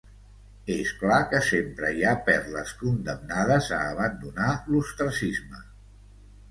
És clar que sempre hi ha perles condemnades a abandonar l'ostracisme.